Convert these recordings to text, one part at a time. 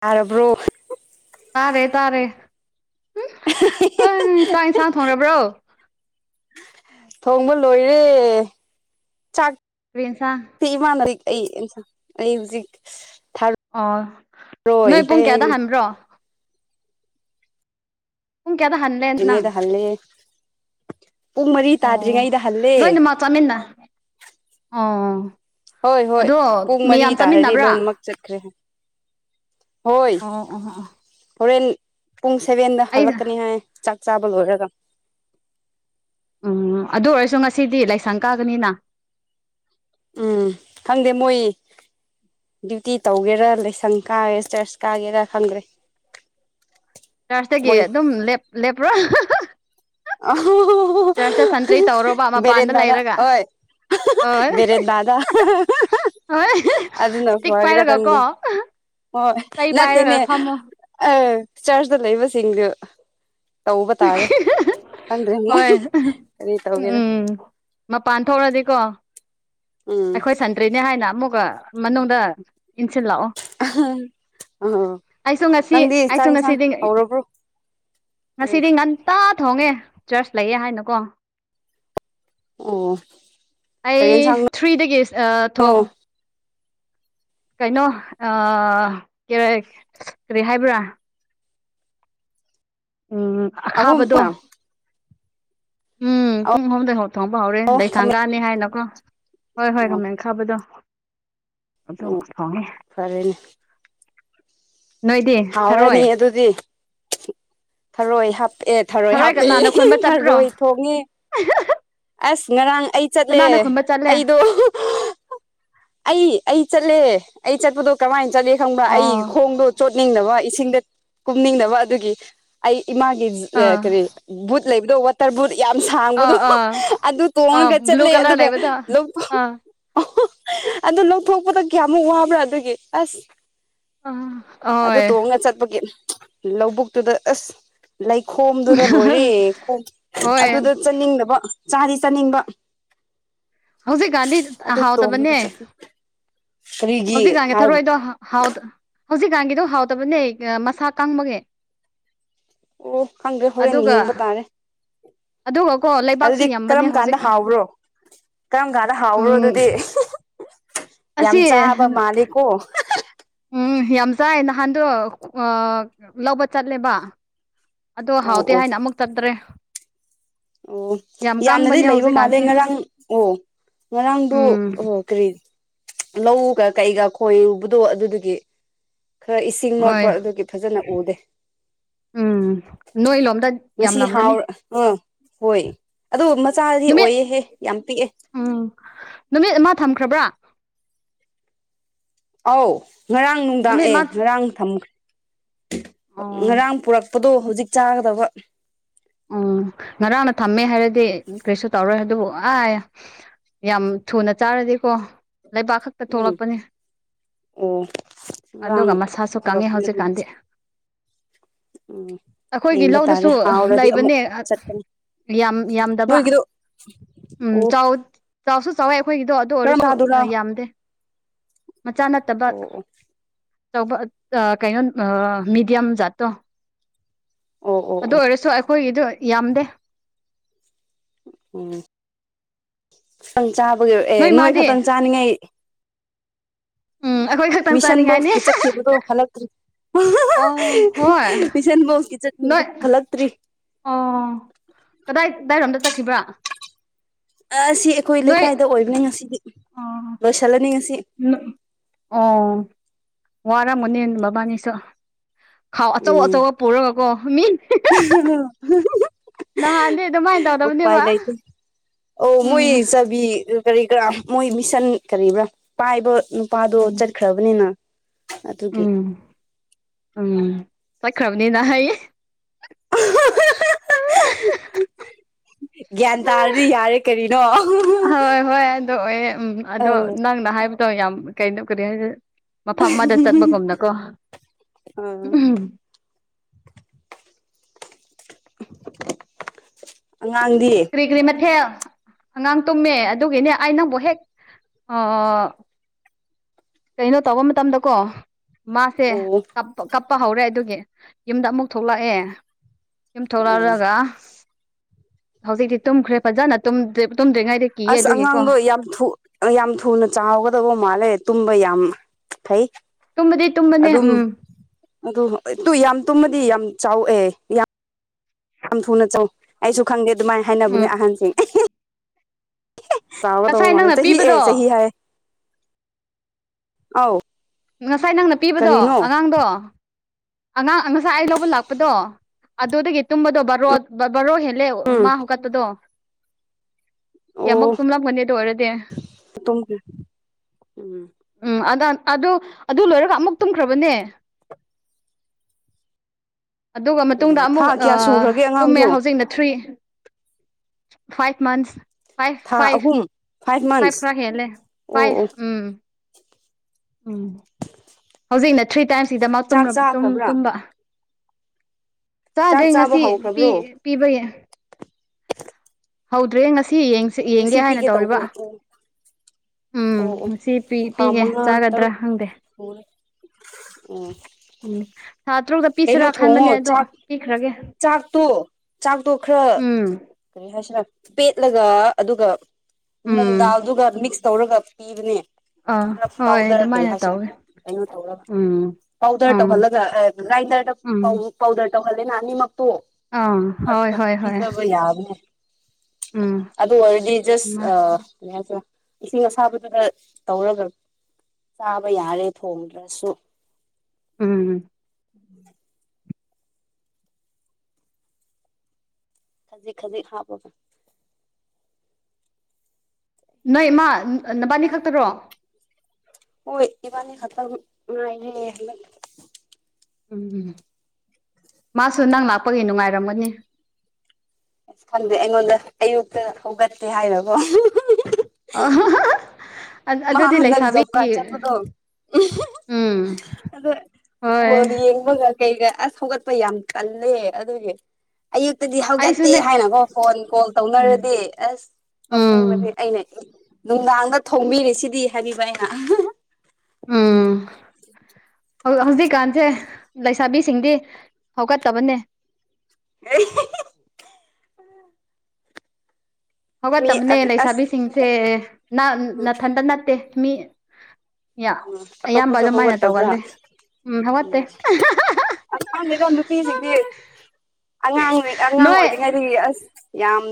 ꯇꯥꯔꯕ꯭ꯔꯣ ꯇꯥꯔꯦ ꯇꯥꯔꯦ [inaudible] ꯆꯥꯛ ꯌꯦꯟꯁꯥꯡ ꯊꯣꯡꯔꯕ꯭ꯔꯣ ꯊꯣꯡꯕ ꯂꯣꯏꯔꯦ ꯆꯥꯛ ꯀꯔꯤ ꯑꯦꯟꯁꯥꯡ ꯁꯤ ꯏꯃꯥꯟꯅꯔꯤ [unintelligible] ꯑꯩ ꯑꯩ ꯍꯧꯖꯤꯛ ꯊꯥꯔ ꯑꯣ ꯅꯣꯏ ꯄꯨꯡ ꯀꯌꯥꯗ ꯍꯥꯟꯕ꯭ꯔꯣ ꯄꯨꯡ ꯀꯩꯌꯗ ꯍꯥꯟꯂꯦ ꯅꯪ ꯍꯜꯂꯦ ꯄꯨꯡ ꯃꯔꯤ ꯑꯣ ꯇꯥꯗ꯭ꯔꯤꯉꯩꯗ ꯍꯜꯂꯦ ꯂꯣꯏꯅꯃꯛ ꯆꯥꯃꯤꯟꯅ ꯑꯣ ꯍꯣꯏ ꯑꯗꯣ ꯃꯌꯥꯝ ꯆꯥꯃꯤꯟꯅꯕ꯭ꯔꯥ ꯆꯠ꯭ꯈꯔ‌ꯦ ꯍꯣꯏ ꯑꯣ ꯑꯣ ꯑꯣ ꯍꯣꯔꯦꯟ ꯄꯨꯡ ꯁꯦꯚꯦꯟꯗ ꯑꯩ ꯍꯜꯂꯛꯀꯅꯤ ꯍꯥꯏ ꯆꯥꯛ ꯆꯥꯕ ꯂꯣꯏꯔꯒ ꯎꯝ ꯑꯗꯨ ꯑꯣꯏꯔꯁꯨ ꯉꯁꯤꯗꯤ ꯂꯥꯏꯁꯪ ꯀꯥꯒꯅꯤꯅ ꯎꯝ ꯈꯪꯗꯦ ꯃꯣꯏ ꯗ꯭ꯌꯨꯇꯤ ꯇꯧꯒꯦꯔꯥ ꯂꯥꯏꯁꯪ ꯀꯥꯒꯦ ꯆꯔꯆ ꯀꯥꯒꯦꯔꯥ ꯈꯪꯗ꯭ꯔꯦ ꯆꯥꯔꯖꯇꯒꯤ ꯃꯣꯏ ꯑꯗꯨꯝ ꯂꯦꯞꯄꯣ ꯑ [unintelligible] ꯆꯔꯁꯇ ꯁꯟꯇ꯭ꯔꯤ ꯇꯧꯔ‌ꯦꯕ ꯃꯄꯥꯟꯗ ꯂꯩꯔꯒ ꯍꯣꯏ ꯍ [unintelligible] ꯕꯦꯔꯦꯟꯗꯥꯗ ꯑꯗꯨꯅ ꯏꯁꯇꯤꯛ ꯐꯒꯦꯔꯥ ꯄꯥꯏꯔꯒ ꯀꯣ ꯈꯪꯗꯦ ꯆꯩ ꯄꯥꯏꯔꯒ ꯐꯝꯃꯣ ꯑꯥ ꯆꯥꯔꯖꯗ ꯂꯩꯏꯕ ꯁꯤꯡꯗꯨ ꯈꯪꯗ꯭ꯔꯦ ꯃꯣꯏ ꯍꯣꯏ ꯀꯔꯤ ꯇꯧꯒꯦꯔꯥ ꯎꯝ ꯃꯄꯥꯟ ꯊꯣꯛꯂꯗꯤꯀꯣ ꯎꯝ ꯑꯩꯈꯣꯏ ꯁꯟ ꯇ꯭ꯔꯤꯅꯦ ꯍꯥꯏꯅ ꯑꯃꯨꯛꯀ ꯃꯅꯨꯡꯗ ꯏꯟꯁꯤꯜꯂꯛꯑꯣ ꯑꯣ ꯑꯩꯁꯨ ꯉꯁꯤ ꯅꯪꯗꯤ ꯑꯩꯁꯨ ꯆꯥꯛ ꯌꯦꯟꯁꯥꯡ ꯉꯁꯤꯗꯤ ꯍꯧꯔꯕ꯭ꯔꯣ ꯀꯔꯤ ꯉꯁꯤꯗꯤ ꯉꯟꯇꯥ ꯊꯣꯡꯉꯦ ꯆꯔꯆ ꯂꯩꯌꯦ ꯍꯥꯏꯅꯀꯣ ꯑꯣ ꯑꯩ ꯀꯔꯤ ꯌꯦꯟꯁꯥꯡꯅꯣ ꯊ꯭ꯔꯤꯗꯒꯤ ꯊꯣꯡ ꯀꯩꯅꯣ ꯑꯥ ꯀꯔꯤ ꯍꯥꯏꯕ꯭ꯔꯥ ꯎꯝ ꯑꯍꯨꯝ ꯑꯈꯥꯕꯗꯣ ꯄꯥꯝ ꯎꯝ ꯑꯣ ꯄꯨꯡ ꯍꯧꯗ ꯍꯧ ꯊꯣꯡꯕ ꯍꯧꯔꯦ ꯑꯣ ꯂꯩ ꯈꯥꯃꯦꯟ ꯊꯥꯡꯒꯥꯥꯟꯅꯤ ꯍꯥꯏꯅꯀꯣ ꯍꯣꯏ ꯍꯣꯏ ꯑꯣ ꯈꯥꯃꯦꯟ ꯈꯥꯕꯗꯣ ꯑꯗꯨ ꯊꯣꯡꯉꯦ ꯐꯔꯦꯅꯦ ꯅꯣꯏꯗꯤ ꯊꯔꯣꯏ ꯍꯥꯎꯔꯅꯤ ꯑꯗꯨꯗꯤ ꯊꯔꯣꯏ ꯍꯥꯞ ꯑꯦ ꯊꯔꯣꯏ ꯍꯥꯞꯄꯦ ꯀꯅꯥꯅ ꯈꯨꯟꯕ ꯆꯠꯄ꯭ꯔꯣ ꯊꯔꯣꯏ ꯊꯣꯡꯅꯤ ꯑꯁ ꯉꯔꯥꯡ ꯑꯩ ꯆꯠꯂꯦ ꯀꯅꯥꯅ ꯈꯨꯟꯕ ꯆꯠꯂꯦ ꯑꯩꯗꯣ ꯑꯩ ꯑꯩ ꯆꯠꯂꯦ ꯑꯩ ꯆꯠꯄꯗꯣ ꯀꯃꯥꯏꯅ ꯆꯠꯂꯦ ꯈꯪꯕ꯭ꯔ ꯑꯩ ꯑꯣ ꯈꯣꯡꯗꯣ ꯀꯨꯞꯅꯤꯡꯅꯕ ꯏꯁꯤꯡꯗ ꯀꯨꯝꯅꯤꯡꯗꯅꯕ ꯑꯗꯨꯒꯤ ꯑꯩ ꯏꯃꯥꯒꯤ ꯑꯥ ꯀꯔꯤ ꯕꯨꯠ ꯂꯩꯕꯗꯣ ꯇꯔꯕꯨꯠ ꯌꯥꯝ ꯑꯥ ꯁꯥꯡꯕꯗꯣ ꯑꯥ ꯑꯗꯨ ꯑ ꯇꯣꯡꯉꯒ ꯕ꯭ꯂꯨ ꯆꯠꯂꯦ ꯀꯂꯔ ꯑꯗꯨꯒ ꯂꯩꯕꯗꯣ ꯑꯥ ꯑꯣ ꯑꯗꯨ ꯂꯧꯊꯣꯛꯄꯗꯣ ꯀꯌꯥꯃꯨꯛ ꯋꯥꯕ꯭ꯔꯥ ꯑꯗꯨꯒꯤ ꯑꯁ ꯑ ꯑꯗꯨ ꯇꯣꯡꯉꯥ ꯆꯠꯄꯒꯤ ꯂꯧꯕꯨꯛꯇꯨꯗ ꯑꯁ ꯂꯩꯈꯣꯝꯗꯨꯗ ꯂꯣꯏꯔꯦ ꯈꯣꯝ ꯍꯣꯏ ꯑꯗꯨꯗ ꯆꯠꯅꯤꯡꯗꯕ ꯆꯥꯗꯤ ꯆꯥꯅꯤꯡꯕ ꯍꯧꯖꯤꯛꯀꯥꯟꯗꯤ ꯑꯗꯨ ꯍꯥꯎꯗꯕꯅꯦ ꯇꯣꯡꯉꯒ ꯆꯠꯄ ꯀꯔꯤꯒꯤ ꯍꯧꯖꯤꯛꯀꯥꯟꯒꯤ ꯍꯥꯎ ꯊꯔꯣꯏꯗꯣ ꯍꯥꯎ ꯍꯧꯖꯤꯛꯀꯥꯟꯒꯤꯗꯣ ꯍꯥꯎꯗꯕꯅꯦ ꯃꯁꯥ ꯀꯪꯕꯒꯦ ꯑꯣ ꯈꯪꯒꯦ ꯑꯗꯨꯒ ꯍꯔꯦꯟꯅꯤꯕꯇꯥꯔꯦ ꯑꯗꯨꯒꯀꯣ ꯂꯩꯕꯥꯛꯁꯨ ꯑꯗꯨꯗꯤ ꯌꯥꯝꯕꯅꯦ ꯀꯔꯝ ꯀꯥꯟꯗ ꯍꯧꯖꯤꯛꯀ ꯍꯥꯎꯕ꯭ꯔꯣ ꯀꯔꯝ ꯀꯥꯟꯗ ꯍꯥꯎꯕꯔꯣ ꯎꯝ ꯑꯗꯨꯗꯤ ꯌꯥꯝ ꯑꯁꯤ ꯆꯥꯕ ꯃꯥꯂꯦꯀꯣ ꯎꯝ ꯌꯥꯝ ꯆꯥꯏ ꯅꯍꯥꯟꯗꯣ ꯂꯧꯕ ꯆꯠꯂꯦꯕ ꯑꯗꯣ ꯑꯣ ꯍꯥꯎꯇꯦ ꯑꯣ ꯍꯥꯏꯅ ꯑꯃꯨꯛ ꯆꯠꯗ꯭ꯔꯦ ꯑꯣ ꯌꯥꯝꯅꯗꯤ ꯂꯩꯕ ꯃꯥꯜꯂꯦ ꯉꯔꯥꯡ ꯑꯣ ꯉꯔꯥꯡꯗꯣ ꯎꯝ ꯑꯣ ꯀꯔꯤ ꯂꯧꯒ ꯀꯩꯒ ꯈꯣꯏꯔꯨꯕꯗꯣ ꯑꯗꯨꯗꯨꯒꯤ ꯈꯔ ꯏꯁꯤꯡ ꯍꯣꯏ ꯃꯣꯠꯄ ꯑꯗꯨꯒꯤ ꯐꯖꯅ ꯎꯗꯦ ꯎꯝ ꯅꯣꯏ ꯂꯣꯝꯗ ꯌꯥꯝ ꯉꯁꯤ ꯍꯥꯎ ꯂꯝꯒꯅꯤ ꯑꯥ ꯍꯣꯏ ꯑꯗꯨ ꯃꯆꯥꯗꯤ ꯅꯨꯃꯤꯠ ꯑꯣꯏꯑꯦꯍꯦ ꯌꯥꯝ ꯄꯤꯛꯑꯦ ꯎꯝ ꯅꯨꯃꯤꯠ ꯑꯃ ꯊꯝꯈ꯭ꯔꯕ꯭ꯔꯥ ꯑꯧ ꯉꯔꯥꯡ ꯅꯨꯡꯗꯥꯡ ꯅꯨꯃꯤꯠ ꯑꯦ ꯑꯃ ꯉꯔꯥꯡ ꯊꯝ ꯑꯣ ꯉꯔꯥꯡ ꯄꯨꯔꯛ ꯔꯛꯄꯗꯣ ꯍꯧꯖꯤꯛ ꯆꯥꯒꯗꯕ ꯎꯝ ꯉꯔꯥꯡꯅ ꯊꯝꯃꯦ ꯍꯥꯏꯔꯗꯤ ꯀꯩꯁꯨ ꯇꯧꯔꯣꯏ ꯑꯗꯨꯕꯨ ꯑ ꯌꯥꯝ ꯊꯨꯅ ꯆꯥꯔꯗꯤꯀꯣ ꯂꯩꯕꯥꯛ ꯈꯛꯇ ꯎꯝ ꯊꯣꯛꯂꯛꯄꯅꯤ ꯑꯣ ꯑꯗꯨꯒ ꯉꯔꯥꯡ ꯃꯁꯥꯁꯨ ꯀꯪꯉꯤ ꯄꯨꯔꯛꯄꯅꯦ ꯑꯗꯨꯝ ꯍꯧꯖꯤꯛꯀꯥꯟꯗꯤ ꯎꯝ ꯑꯩꯈꯣꯏꯒꯤ ꯌꯦꯡꯕ ꯇꯥꯔꯦ ꯂꯧꯗꯁꯨ ꯍꯥꯎꯔꯗꯤ ꯑꯃꯨꯛ ꯂꯩꯕꯅꯦ ꯆꯠꯀꯅꯤ ꯌꯥꯝ ꯌꯥꯝꯗꯕ ꯅꯣꯏꯒꯤꯗꯣ ꯎꯝ ꯑꯣ ꯆꯥꯎꯁꯨ ꯆꯥꯎꯋꯦ ꯑꯩꯈꯣꯏꯒꯤꯗꯣ ꯑꯗꯨ ꯑꯣꯏꯔꯁꯨ ꯀꯔꯝꯕꯗꯨꯔ ꯌꯥꯝꯗꯦ ꯃꯆꯥ ꯐꯠꯇꯕ ꯑꯣ ꯇꯧꯕ ꯀꯩꯅꯣ ꯃꯤꯦꯗꯤꯌꯝ ꯖꯥꯠꯇꯣ ꯑꯣ ꯑꯣ ꯑꯣ ꯑꯗꯨ ꯑꯣ ꯑꯣꯏꯔꯁꯨ ꯑꯩꯈꯣꯏꯒꯤꯗ ꯌꯥꯝꯗꯦ ꯎꯝ ꯈꯤꯇꯪ ꯆꯥꯕꯒꯤ ꯑꯦ ꯅꯣꯏ ꯈꯛꯇꯪ ꯆꯥꯅꯤꯡꯉꯥꯏ ꯎꯝ ꯑꯩꯈꯣꯏ ꯈꯛꯇꯪ ꯆꯥꯅꯤꯡꯉꯥꯏꯅꯤ ꯃꯤꯁꯟꯕꯣꯛꯀꯤ ꯆꯠꯈꯤꯕꯗꯣ ꯍꯜꯂꯛꯇ꯭ꯔꯤ ꯑꯣ ꯍꯣꯏ ꯃꯤꯁꯟ ꯕꯣꯛꯀꯤ ꯅꯣꯏ ꯆꯠꯈꯤꯕꯗꯨ ꯍꯜꯂꯛꯇ꯭ꯔꯤ ꯑꯣ ꯀꯗꯥꯏ ꯀꯗꯥꯏꯔꯣꯝꯗ ꯆꯠꯈꯤꯕ꯭ꯔꯥ ꯑꯁꯤ ꯑꯩꯈꯣꯏ ꯅꯣꯏ ꯂꯩꯀꯥꯏꯗ ꯑꯣꯏꯕꯅꯤ ꯉꯁꯤꯗꯤ ꯂꯣꯏꯁꯤꯜꯂꯅꯤ ꯉꯁꯤ ꯑꯣ ꯋꯥꯔꯝꯃꯅꯦ ꯃꯕꯥꯅꯤꯁꯨ ꯈꯥꯎ ꯑꯆꯧ ꯑꯆꯧꯕ ꯄꯨꯔꯒ ꯀꯣ ꯃꯤꯟ ꯑ ꯅꯍꯥꯟꯗꯤ ꯑꯗꯨꯃꯥꯏꯅ [unintelligible] ꯎꯄꯥꯏ ꯇꯧꯗꯕꯅꯦꯕ ꯂꯩꯇꯦ ꯑꯣ ꯃꯣꯏ ꯎꯝ ꯆꯥꯕꯤ ꯀꯔꯤ ꯀꯔꯥ ꯃꯣꯏ ꯃꯤꯁꯟ ꯀꯔꯤꯕ꯭ꯔꯥ ꯄꯥꯏꯕ ꯅꯨꯄꯥꯗꯣ ꯎꯝ ꯆꯠꯈ꯭ꯔꯕꯅꯤꯅ ꯑꯗꯨꯒꯤ ꯎꯝ ꯎꯝ ꯆꯠꯈ꯭ꯔꯕꯅꯤꯅ ꯍꯩꯌꯦ ꯑ [unintelligible] ꯒ꯭ꯌꯥꯟ ꯇꯥꯔꯗꯤ ꯌꯥꯔꯦ ꯀꯔꯤꯅꯣ ꯍꯣꯏ ꯍꯣꯏ ꯑꯗꯨ ꯑꯣꯏꯌꯦ ꯎ ꯑꯗꯣ ꯑꯥ ꯅꯪꯅ ꯍꯥꯏꯕ ꯑꯗꯣ ꯌꯥꯝ ꯀꯩꯅꯣ ꯀꯔꯤ ꯍꯥꯏꯗꯨꯅꯣ ꯃꯐꯝ ꯑꯃꯗ ꯆꯠꯄꯒꯨꯝꯅꯀꯣ ꯎꯝ ꯎ ꯑꯉꯥꯡꯗꯤ ꯀꯨꯔꯤ ꯒ꯭ꯔꯤ ꯃꯊꯦꯜ ꯑꯉꯥꯡ ꯇꯨꯝꯃꯦ ꯑꯗꯨꯒꯤꯅꯦ ꯑꯩ ꯅꯪꯕꯨ ꯍꯦꯛ ꯑ ꯀꯩꯅꯣ ꯇꯧꯕ ꯃꯇꯝꯗꯀꯣ ꯃꯥꯁꯦ ꯑꯣ ꯀꯞꯄ ꯍꯧꯔꯦ ꯑꯗꯨꯒꯤ ꯌꯨꯝꯗ ꯑꯃꯨꯛ ꯊꯣꯛꯂꯛꯑꯦ ꯌꯨꯝ ꯑꯣ ꯊꯣꯛꯂꯛꯂꯒ ꯍꯧꯖꯤꯛꯇꯤ ꯇꯨꯝꯈ꯭ꯔꯦ ꯐꯖꯅ ꯇꯨꯝꯗ꯭ꯔꯤꯉꯩꯗꯤ ꯑꯁ ꯑꯉꯥꯡꯗꯣ ꯌꯥꯝ ꯊꯨ ꯑ ꯌꯥꯝ ꯊꯨꯅ ꯆꯥꯎꯒꯗꯕ ꯃꯥꯜꯂꯦ ꯇꯨꯝꯕ ꯌꯥꯝ ꯐꯩ ꯇꯨꯝꯕꯗꯤ ꯇꯨꯝꯕꯅꯦ ꯑꯗꯨꯝ ꯎꯝ ꯑꯗꯨ ꯌꯥꯝ ꯇꯨꯝꯃꯗꯤ ꯌꯥꯝ ꯆꯥꯎꯑꯦ ꯌꯥꯝ ꯌꯥꯝ ꯊꯨꯅ ꯆꯥꯎ ꯑꯩꯁꯨ ꯈꯪꯗꯦ ꯑꯗꯨꯃꯥꯏꯅ ꯍꯥꯏꯅꯕꯅꯦ ꯎꯝ ꯑꯍꯟꯁꯤꯡ ꯆꯥꯎꯒꯗꯕ ꯉꯁꯥꯏ ꯃꯥꯥꯟꯅꯦ ꯅꯪꯅ ꯆꯍꯤ ꯑꯦ ꯄꯤꯕꯗꯣ ꯆꯍꯤ ꯍꯥꯏ ꯑꯥꯎ ꯉꯁꯥꯏ ꯅꯪꯅ ꯄꯤꯕꯗꯣ ꯑꯉꯥꯡꯗꯣ ꯑꯉꯥꯡ ꯉꯁꯥꯏ ꯑꯩ ꯂꯧꯕ ꯂꯥꯛꯄꯗꯣ ꯑꯗꯨꯗꯒꯤ ꯇꯨꯝꯕꯗꯣ ꯕ ꯔꯣꯠ ꯕꯥꯔꯣ ꯍꯦꯜꯂꯦ ꯎꯝ ꯃꯥ ꯍꯧꯀꯠꯄꯗꯣ ꯑꯣ ꯌꯥꯝꯃꯨꯛ ꯇꯨꯝꯂꯝꯒꯅꯤ ꯑꯗꯨ ꯑꯣꯏꯔꯗꯤ ꯇꯨꯝꯈ꯭ꯔꯦ ꯎꯝ ꯎꯝ ꯑꯗꯨ ꯑꯗꯨ ꯂꯣꯏꯔꯒ ꯑꯃꯨꯛ ꯇꯨꯝꯈ꯭ꯔꯕꯅꯦ ꯑꯗꯨꯒ ꯑꯣ ꯃꯇꯨꯡꯗ ꯊꯥ ꯑꯃꯨꯛ ꯀꯌꯥ ꯁꯨꯈ꯭ꯔꯒꯦ ꯇꯨꯝꯃꯦ ꯑꯉꯥꯡꯗꯣ ꯍꯧꯖꯤꯛꯅ ꯊ꯭ꯔꯤ ꯐꯥꯏꯚ ꯃꯟꯊꯁ ꯐꯥꯏꯚ ꯊꯥ ꯐꯥꯏꯚ ꯑꯍꯨꯝ ꯐꯥꯏꯚ ꯃꯟꯁ ꯈꯔ ꯍꯦꯂꯦ ꯑꯣ ꯐꯥꯏꯚ ꯑꯣ ꯎꯝ ꯎꯝ ꯍꯧꯖꯤꯛꯅ ꯊ꯭ꯔꯤ ꯇꯥꯏꯝꯁꯀꯤꯗꯃꯛ ꯆꯥꯛ ꯆꯥꯈ꯭ꯔꯕ꯭ꯔꯥ ꯇꯨꯝꯕ ꯆꯥꯛ ꯆꯥꯕ ꯆꯥꯗ꯭ꯔꯤꯉꯁꯤ ꯍꯧꯈ꯭ꯔꯕ꯭ꯔꯣ ꯄꯤꯕꯒꯤ ꯍꯧꯗ꯭ꯔꯦ ꯉꯁꯤ ꯌꯦꯡꯒꯦ ꯉꯁꯤ ꯍꯥꯏꯅ ꯄꯤꯒꯦ ꯇꯧꯔꯤꯕ ꯇꯧꯕ꯭ꯔꯣ ꯑꯣ ꯎꯝ ꯑꯣ ꯑꯣ ꯉ ꯁꯤ ꯄꯤ ꯄꯤꯒꯦ ꯆꯥꯒꯗ꯭ꯔꯥ ꯍꯪꯗꯦ ꯍ ꯑꯣ ꯎꯝ ꯊꯥ ꯇꯔꯨꯛꯇ ꯀꯩꯅꯣ ꯄꯤꯁꯤꯔꯥ ꯊꯣꯡꯉꯣ ꯈꯟꯕꯅꯦ ꯑꯗꯣ ꯆꯥꯛ ꯄꯤꯈ꯭ꯔꯒꯦ ꯆꯥꯛꯇꯣ ꯆꯥꯛꯇꯣ ꯈꯔ ꯎꯝ ꯀꯔꯤ ꯍꯥꯏꯁꯤꯔ ꯄꯦꯠꯂꯒ ꯑꯗꯨꯒ ꯎꯝ ꯃꯣꯡꯗꯥꯜꯗꯨꯒ ꯃꯤꯛꯁ ꯇꯧꯔꯒ ꯄꯤꯕꯅꯦ ꯑꯥ ꯈꯔ ꯍꯣꯏ ꯄꯥꯎꯗꯔ ꯀꯔꯤ ꯑꯗꯨꯃꯥꯏꯅ ꯍꯥꯏꯁꯤꯅ ꯇꯧꯋꯦ ꯀꯩꯅꯣ ꯇꯧꯔꯕ ꯎꯝ ꯄꯥꯎꯗꯔ ꯎꯝ ꯇꯧꯍꯜꯂꯒ ꯒ꯭ꯔꯥꯏꯟꯗꯔꯗ ꯎꯝ ꯄꯥꯎꯗꯔ ꯇꯧꯍꯜꯂꯦꯅ ꯑꯅꯤꯃꯛꯇꯣ ꯑꯥ ꯍꯣꯏ ꯑꯗꯨꯒ ꯍꯣꯏ ꯍꯣꯏ ꯄꯤꯖꯕ ꯌꯥꯕꯅꯦ ꯎꯝ ꯑꯗꯨ ꯑꯣꯏꯔꯗꯤꯖꯁ ꯑ ꯀꯔꯤꯍꯥꯏꯁꯤꯔꯥ ꯏꯁꯤꯡ ꯑꯁꯥꯕꯗꯨꯗ ꯇꯧꯔꯒ ꯆꯥꯕ ꯌꯥꯔꯦ ꯊꯣꯡꯗ꯭ꯔꯁꯨ ꯎꯝ ꯈꯖꯤꯛ ꯈꯖꯤꯛ ꯍꯥꯞꯄꯒ ꯅꯣꯏ ꯏꯃꯥ ꯅꯕꯥꯟꯅꯤ ꯈꯛꯇꯔꯣ ꯑꯣꯏ ꯏꯕꯥꯅꯤ ꯈꯛꯇ ꯉꯔꯥꯏꯦ ꯎꯝ ꯃꯥꯁꯨ ꯅꯪ ꯂꯥꯛꯄꯒꯤ ꯅꯨꯡꯉꯥꯏꯔꯝꯒꯅꯤ ꯑꯁ ꯈꯪꯗꯦ ꯑꯩꯉꯣꯟꯗ ꯑꯌꯨꯛꯇ ꯍꯧꯒꯠꯇꯦ ꯍꯥꯏꯕꯀꯣ ꯃꯥ ꯑꯗꯨꯗꯤ ꯍꯟꯗꯛ ꯖꯣꯕ ꯂꯩꯁꯥꯕꯤꯒꯤ ꯀꯥꯔꯗ ꯎꯝ ꯑꯗꯨ ꯕꯣꯜ ꯍꯣꯏ ꯌꯦꯡꯕꯒ ꯀꯩꯒ ꯑꯁ ꯍꯧꯒꯠꯄ ꯌꯥꯝ ꯇꯜꯂꯦ ꯑꯗꯨꯒꯤ ꯑꯌꯨꯛꯇꯗꯤ ꯍꯧꯒꯠꯇꯦ ꯑꯩꯁꯨꯅꯦ ꯍꯥꯏꯅꯀꯣ ꯐꯣꯟ ꯀꯣꯜ ꯎꯝ ꯇꯧꯅꯔꯗꯤ ꯑꯁ ꯅꯣꯛꯅꯤꯡꯕꯗꯤ ꯎꯝ ꯑꯩꯅꯦ ꯅꯨꯡꯗꯥꯡꯗ ꯊꯣꯡꯕꯤꯔꯤ ꯁꯤꯗꯤ ꯍꯥꯏꯕꯤꯕ ꯑꯩꯅ ꯎꯝ ꯍꯧ ꯍꯧꯖꯤꯛꯀꯥꯟꯁꯦ ꯂꯩꯁꯥꯕꯤꯁꯤꯡꯗꯤ ꯍꯧꯒꯠꯇꯕꯅꯦ [unintelligible] ꯃꯤ ꯍꯧꯒꯠꯇꯕꯅꯦ ꯑꯁ ꯂꯩꯁꯥꯕꯤꯁꯤꯡꯁꯦ ꯅꯥ ꯃꯤ ꯅꯥꯊꯟꯇ ꯅꯠꯇꯦ ꯃꯤ ꯌꯥ ꯑꯌꯥꯝꯕ ꯑꯇꯣꯞꯄꯁꯨ ꯑꯗꯨꯃꯥꯏꯅ ꯍꯧꯒꯠꯇꯕ꯭ꯔꯥ ꯇꯧꯒꯜꯂꯤ ꯎꯝ ꯍꯧꯒꯠꯇꯦ ꯈꯪꯗꯦꯗꯥ ꯅꯨꯄꯤꯁꯤꯡꯗꯤ ꯑꯉꯥꯡ ꯑꯉꯥꯡ ꯅꯣꯏ ꯑꯣꯏꯔꯤꯉꯩ ꯑꯁ ꯌꯥꯝ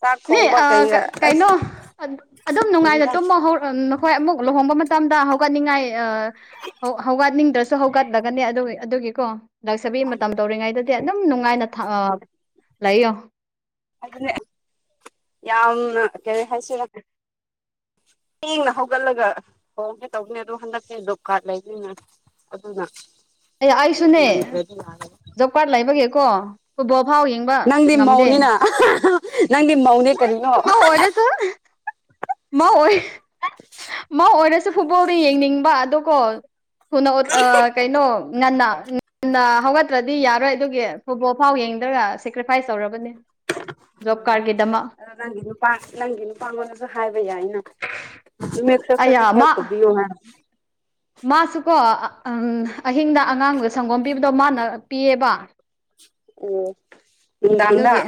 ꯆꯥꯛ ꯊꯣꯡꯕ ꯑꯥ ꯀꯩꯒ ꯀꯩꯅꯣ ꯑꯁ ꯑꯗꯨꯝ ꯀꯔꯤꯔ ꯅꯨꯡꯉꯥꯏꯅ ꯇꯨꯝꯃ ꯍꯧꯔꯣ ꯅꯈꯣꯏ ꯑꯃꯨꯛ ꯂꯨꯍꯣꯡꯕ ꯃꯇꯝꯗ ꯍꯧꯒꯠꯅꯤꯡꯉꯥꯏ ꯑ ꯍꯧ ꯍꯧꯒꯠꯅꯤꯡꯗ꯭ꯔꯁꯨ ꯍꯧꯒꯠꯂꯒꯅꯦ ꯑꯗꯨ ꯑꯗꯨꯒꯤꯀꯣ ꯂꯥꯛꯆꯕꯤ ꯃꯇꯝ ꯇꯧꯔꯤꯉꯩꯗꯗꯤ ꯑꯗꯨꯝ ꯅꯨꯡꯉꯥꯏꯅ ꯊ ꯂꯩꯌꯣ ꯑꯗꯨꯅꯦ ꯌꯥꯝꯅ ꯀꯔꯤ ꯍꯥꯏꯁꯤꯔꯥ ꯊꯦꯡꯅ ꯍꯧꯒꯠꯂꯒ ꯍꯣꯡꯒꯦ ꯇꯧꯅꯦ ꯑꯗꯣ ꯍꯟꯗꯛꯇꯤ ꯖꯣꯞꯀꯥꯔꯗ ꯂꯩꯕꯅꯤꯅ ꯑꯗꯨꯅ ꯑꯦ ꯑꯩꯁꯨꯅꯦ ꯉꯟꯗ꯭ꯔꯗꯤ ꯌꯥꯔꯔꯣꯏ ꯖꯣꯕꯀꯥꯠ ꯂꯩꯕꯒꯤꯀꯣ ꯐꯨꯠꯕꯣ ꯐꯥꯎ ꯌꯦꯡꯕ ꯅꯪꯗꯤ ꯉꯝꯗꯦ ꯃꯧꯅꯤꯅ ꯅꯪꯗꯤ ꯃꯧꯅꯦ ꯀꯔꯤꯅꯣ ꯃꯧ ꯑꯣꯏꯔꯁꯨ ꯃꯧ ꯑꯣꯏ ꯑꯣꯏꯔꯁꯨ ꯐꯨꯠꯕꯣꯜꯗꯣ ꯌꯦꯡꯅꯤꯡꯕ ꯑꯗꯣꯀꯣ [unintelligible] ꯀꯩꯅꯣ ꯉꯟꯅ ꯅ ꯍꯧꯒꯠꯇ꯭ꯔꯗꯤ ꯌꯥꯔꯣꯏ ꯑꯗꯨꯒꯤ ꯐꯨꯠꯕꯣꯜ ꯐꯥꯎ ꯌꯦꯡꯗ꯭ꯔꯒ ꯁꯦꯀ꯭ꯔꯤꯐꯥꯏꯁ ꯇꯧꯔꯕꯅꯦ ꯖꯣꯀꯥꯠꯀꯤ ꯗꯃꯛ ꯑꯗꯣ ꯅꯪꯒꯤ ꯅꯨꯄꯥ ꯅꯪꯒꯤ ꯅꯨꯄꯥꯉꯣꯟꯗꯁꯨ ꯍꯥꯏꯕ ꯌꯥꯏꯅ ꯆꯠꯛꯈꯔꯥꯗꯤ ꯑꯌꯥ ꯍꯦꯜꯇꯧꯕꯤꯌꯣ ꯍꯥꯏ ꯃꯥꯁꯤꯀꯣ ꯎꯝ ꯑꯍꯤꯡꯗ ꯑꯉꯥꯡꯗ ꯁꯪꯒꯣꯝ ꯄꯤꯕꯗꯣ ꯃꯥꯅ ꯄꯤꯌꯦꯕ ꯎꯝ ꯑꯗꯨꯒꯤ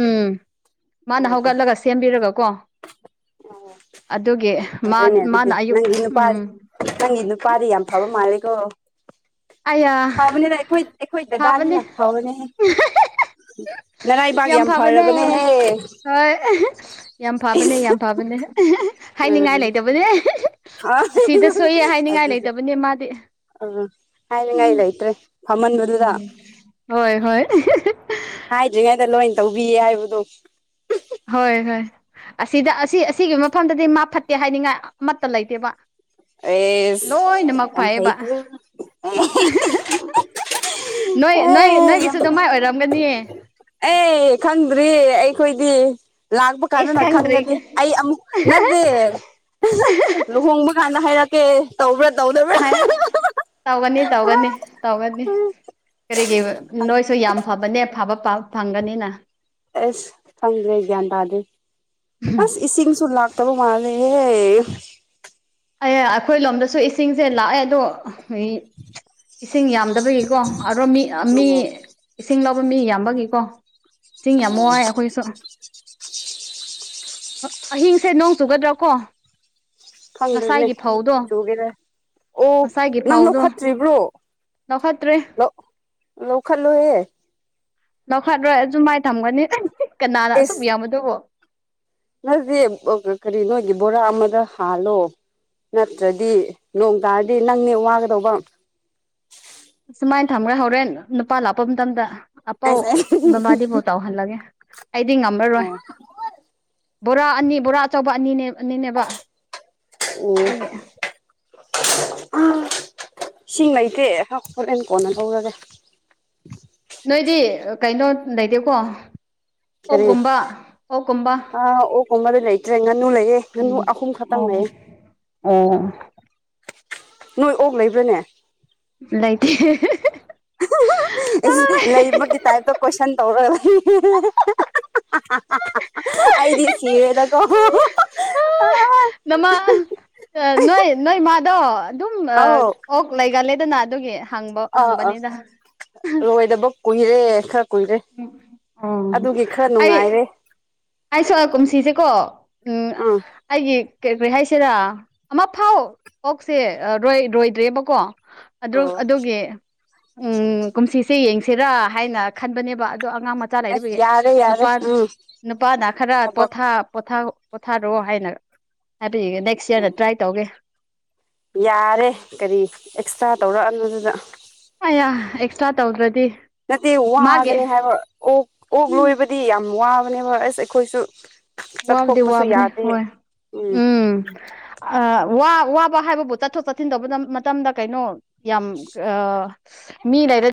ꯎꯝ ꯃꯥꯅ ꯑꯣ ꯍꯧꯒꯠꯂꯒ ꯁꯦꯝꯕꯤꯔꯒꯀꯣ ꯑꯣ ꯑꯗꯨꯒꯤ ꯃꯥ ꯐꯔꯦꯅꯦ ꯃꯥꯅ ꯑꯗꯨꯗꯤ ꯑꯌꯨꯛ ꯅꯪꯒꯤ ꯅꯨꯄꯥ ꯎꯝ ꯅꯪꯒꯤ ꯅꯨꯄꯥꯗꯤ ꯌꯥꯝ ꯐꯕ ꯃꯥꯜꯂꯦꯀꯣ ꯑꯌꯥ ꯐꯕꯅꯤꯅ ꯑꯩꯈꯣꯏ ꯑꯩꯈꯣꯏ ꯐꯕꯅꯦ ꯗꯗꯥꯅꯤꯅ ꯐꯕꯅꯦꯍꯦ ꯅꯔꯥꯏꯕꯥꯛ ꯌꯥꯝ ꯐꯕꯅꯦ ꯐꯔꯕꯅꯦꯍꯦ ꯍꯣꯏ ꯌꯥꯝ ꯐꯕꯅꯦ ꯌꯥꯝ ꯐꯥꯕꯅꯦ ꯎꯝ ꯍꯥꯏꯅꯤꯡꯉꯥꯏ ꯂꯩꯇꯕꯅꯦ ꯑꯁꯤꯗ ꯁꯣꯏꯌꯦ ꯍꯥꯏꯅꯤꯡꯉꯥꯏ ꯂꯩꯇꯕꯅꯦ ꯃꯥꯗꯤ ꯑꯣ ꯍꯥꯏꯅꯤꯡꯉꯥꯏ ꯎꯝ ꯂꯩꯇ꯭ꯔꯦ ꯐꯃꯟꯕꯗꯨꯗ ꯍꯣꯏ ꯍꯣꯏ ꯍꯥꯏꯗ꯭ꯔꯤꯉꯩꯗ ꯂꯣꯏ ꯇꯧꯕꯤꯌꯦ ꯍꯥꯏꯕꯗꯣ ꯍꯣꯏ ꯍꯣꯏ ꯑꯁꯤꯗ ꯑꯁꯤ ꯑꯁꯤꯒꯤ ꯃꯐꯝꯗꯗꯤ ꯃꯥ ꯐꯠꯇꯦ ꯍꯥꯏꯅꯤꯡꯉꯥꯏ ꯑꯃꯠꯇ ꯂꯩꯇꯦꯕ ꯑꯦꯁ ꯂꯣꯏꯅꯃꯛ ꯌꯥꯝ ꯐꯩꯌꯦꯕ ꯐꯩꯀꯣ ꯅꯣꯏ ꯅꯣꯏ ꯑꯦ ꯅꯣꯏꯒꯤꯁꯨ ꯌꯥꯝ ꯑꯗꯨꯃꯥꯏ ꯑꯣꯏꯔꯝꯒꯅꯤꯌꯦ ꯑꯦ ꯈꯪꯗ꯭ꯔꯤꯌꯦ ꯑꯩꯈꯣꯏꯗꯤ ꯂꯥꯛꯄ ꯑꯩꯁ ꯀꯥꯟꯗꯅ ꯈꯪꯗ꯭ꯔꯤ ꯈꯪꯒꯅꯤ ꯑꯩ ꯑꯃꯨꯛ ꯅꯠꯇꯦ ꯂꯨꯍꯣꯡꯕ ꯀꯥꯟꯗ ꯍꯥꯏꯔꯛꯀꯦ ꯇꯧꯕ꯭ꯔꯥ ꯇꯧꯗ ꯍꯥꯏ ꯇꯧꯒꯅꯤ ꯇꯧꯒꯅꯤ ꯇꯧꯒꯅꯤ ꯀꯔꯤꯒꯤ ꯅꯣꯏꯁꯨ ꯌꯥꯝ ꯐꯕꯅꯦ ꯐꯕ ꯄꯥ ꯐꯪꯒꯅꯤꯅ ꯑꯁ ꯈꯪꯗ꯭ꯔꯦ ꯒ꯭ꯌꯥꯟ ꯇꯥꯗ꯭ꯔꯦ ꯑꯁ ꯏꯁꯤꯡꯁꯨ ꯂꯥꯛꯇꯕ ꯃꯥꯜꯂꯦꯍꯦ ꯑꯌꯥ ꯑꯩꯈꯣꯏ ꯂꯣꯝꯗꯁꯨ ꯏꯁꯤꯡꯁꯦ ꯂꯥꯛꯑꯦ ꯑꯗꯣ ꯐꯩꯌꯦ ꯏꯁꯤꯡ ꯌꯥꯝꯗꯕꯒꯤꯀꯣ ꯑꯗꯣ ꯃꯤ ꯃꯤ ꯑꯣ ꯏꯁꯤꯡ ꯂꯧꯕ ꯃꯤ ꯌꯥꯝꯕꯒꯤꯀꯣ ꯏꯁꯤꯡ ꯌꯥꯝ ꯑꯣ ꯋꯥꯏ ꯑꯩꯈꯣꯏꯁꯨ ꯑꯍꯤꯡꯁꯦ ꯅꯣꯡ ꯆꯨꯒꯗ꯭ꯔꯥ ꯀꯣ ꯈꯪꯗ꯭ꯔꯦꯅꯦ ꯆꯨꯒꯦꯔ ꯑꯣ ꯉꯁꯥꯏꯒꯤ ꯅꯪ ꯐꯧꯗꯣ ꯂꯧꯈꯠꯇ꯭ꯔꯤꯕ꯭ꯔꯣ ꯂꯧꯈꯠꯇ꯭ꯔꯦ ꯂꯧ ꯂꯧꯈꯠꯂꯨꯍꯦ ꯂꯧꯈꯠꯔꯣꯏ ꯑꯗꯨꯃꯥꯏ ꯊꯝꯒꯅꯤ ꯀꯅꯥꯅ ꯑꯁꯨꯛ ꯌꯥꯝꯃꯗꯕꯣ ꯅꯪꯁꯦ ꯑꯑ ꯀꯔꯤ ꯅꯣꯏꯒꯤ ꯕꯣꯔꯥ ꯑꯃꯗ ꯍꯥꯜꯂꯣ ꯅꯠꯇ꯭ꯔꯗꯤ ꯅꯣꯡ ꯇꯥꯔꯗꯤ ꯅꯪꯅꯦ ꯋꯥꯒꯗꯧꯕ ꯁꯨꯃꯥꯏꯅ ꯊꯝꯈ꯭ꯔꯦ ꯍꯣꯔꯦꯟ ꯅꯨꯄꯥ ꯂꯥꯛꯄ ꯃꯇꯝꯗ ꯑꯄꯥꯎ ꯑꯁ ꯑꯩ ꯕꯃꯥꯅꯤꯕꯨ ꯇꯥꯎꯍꯜꯂꯒꯦ ꯑꯩꯗꯤ ꯉꯝꯔꯔꯣꯏ ꯑꯣ ꯕꯣꯔꯥ ꯑꯅꯤ ꯕꯣꯔꯥ ꯑꯆꯧꯕ ꯑꯅꯤꯅꯦ ꯑꯅꯤꯅꯦꯕ ꯑꯗꯨꯒꯤ ꯑꯣ ꯑꯥ ꯏꯁꯤꯡ ꯂꯩꯇꯦ ꯍ ꯍꯣꯂꯦꯟ ꯀꯣꯟꯅ ꯂꯧꯔꯒꯦ ꯅꯣꯏꯗꯤ ꯀꯩꯅꯣ ꯂꯩꯇꯦꯀꯣ ꯀꯔꯤ ꯑꯣꯛꯒꯨꯝꯕ ꯑꯣꯛꯀꯨꯝꯕ ꯑꯥ ꯑꯣꯛꯀꯨꯝꯕꯗꯤ ꯂꯩꯇ꯭ꯔꯦ ꯉꯥꯅꯨ ꯂꯩꯌꯦ ꯉꯥꯅꯨ ꯑꯍꯨꯝ ꯈꯛꯇꯪ ꯂꯩꯌꯦ ꯎꯝ ꯅꯣꯏ ꯑꯣꯛ ꯂꯩꯕ꯭ꯔꯥꯅꯦ ꯂꯩꯇꯦ ꯂꯩꯕꯒꯤ ꯇꯥꯏꯞꯇ ꯀꯣꯏꯁꯟ ꯇꯧꯔꯒ ꯂꯩ ꯑꯩꯗꯤ ꯁꯤꯔꯦꯗꯀꯣ ꯑꯥ ꯅꯃꯥ ꯑꯥ ꯅꯣꯏ ꯅꯣꯏ ꯃꯥꯥꯗꯣ ꯑꯗꯨꯝ ꯑꯣꯛ ꯂꯩꯒꯂꯦꯗꯅ ꯑꯗꯨꯒꯤ ꯍꯪꯕ ꯑꯥ ꯑꯥ ꯍꯪꯕꯅꯤꯗ ꯂꯣꯏꯗꯕ ꯀꯨꯏꯔꯦ ꯈꯔ ꯀꯨꯏꯔꯦ ꯎꯝ ꯑꯗꯨꯒꯤ ꯑꯣ ꯈꯔ ꯅꯨꯡꯉꯥꯏꯔꯦ ꯑꯩ ꯑꯩꯁꯨ ꯀꯨꯝꯁꯤꯁꯦꯀꯣ ꯎꯝ ꯑꯩꯒꯤ ꯀꯔꯤ ꯀꯔꯤ ꯍꯥꯏꯁꯤꯔ ꯑꯃ ꯐꯥꯎ ꯑꯣꯛꯁꯦ ꯑꯥ ꯔꯣꯏ ꯔꯣꯏꯗ꯭ꯔꯦꯕꯀꯣ ꯑꯗꯨ ꯑꯣ ꯑꯗꯨꯒꯤ ꯎꯝ ꯀꯨꯝꯁꯤꯁꯦ ꯌꯦꯡꯁꯤꯔꯥ ꯍꯥꯏꯅ ꯈꯟꯕꯅꯦꯕ ꯑꯗꯣ ꯑꯉꯥꯡ ꯃꯆꯥ ꯑꯁ ꯂꯩꯔꯕꯒꯤ ꯌꯥꯔꯦ ꯌꯥꯔꯦ ꯅꯨꯄꯥ ꯎꯝ ꯅꯨꯄꯥꯅ ꯈꯔ ꯊꯕꯛ ꯄꯣꯊꯥ ꯄꯣꯊꯥ ꯄꯣꯊꯥꯔꯣ ꯍꯥꯏꯅ ꯍꯥꯏꯕꯤꯒꯦ ꯅꯦꯛꯁ ꯎꯝ ꯏꯌꯥꯔꯗ ꯇ꯭ꯔꯥꯏ ꯇꯧꯒꯦ ꯌꯥꯔꯦ ꯀꯔꯤ ꯑꯦꯛꯁꯇ꯭ꯔꯥ ꯇꯧꯔꯛꯑꯅꯣꯗꯨꯗ ꯑꯌꯥ ꯑꯦꯛꯁꯇ꯭ꯔꯥ ꯇꯧꯗ꯭ꯔꯗꯤ ꯅꯠꯇꯦ ꯃꯥꯒꯤ ꯋꯥꯒꯅꯤ ꯍꯥꯏꯕ ꯑꯣꯛ ꯑꯣꯛ ꯎꯝ ꯂꯣꯏꯕꯗꯤ ꯌꯥꯝ ꯋꯥꯕꯅꯦꯕ ꯑꯁ ꯑꯩꯈꯣꯏꯁꯨ ꯋꯥꯕꯗꯤ ꯆꯠꯊꯣꯛꯄꯁꯨ ꯋꯥꯕꯅꯦ ꯌꯥꯗꯦ ꯍꯣꯏ ꯎꯝ ꯑꯥ ꯋꯥ ꯋꯥꯕ ꯍꯥꯏꯕꯕꯨ ꯆꯠꯊꯣꯛ ꯆꯠꯁꯤꯟ ꯇꯧꯕ ꯃꯇꯝꯗ ꯀꯩꯅꯣ ꯌꯥꯝ ꯃꯤ ꯂꯩꯔ